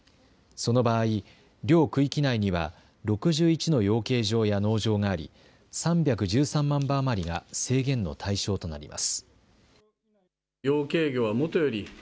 その場合、両区域内には６１の養鶏場や農場があり、３１３万羽余りが、制限の対象となります。